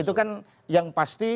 itu kan yang pasti